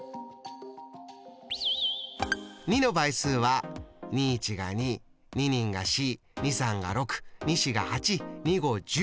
２の倍数は２１が２２２が４２３が６２４が８２５１０。